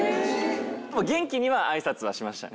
元気にはあいさつはしましたね。